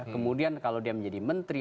kemudian kalau dia menjadi menteri